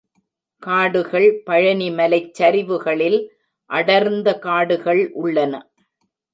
காடுகள் பழனிமலைச் சரிவுகளில் அடர்ந்த காடுகள் உள்ளன.